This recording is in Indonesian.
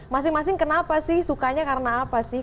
masing masing kenapa sih sukanya karena apa sih